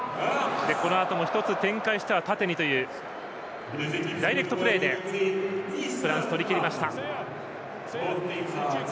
そして１つ展開しては縦にというダイレクトプレーでフランス、取りきりました。